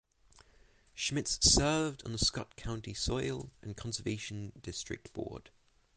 Schmitz served on the Scott County Soil and Conservation District Board.